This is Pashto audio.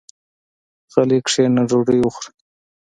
غلی کېنه ډوډۍ وخوره.